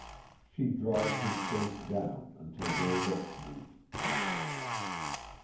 She draws his face down until their lips meet.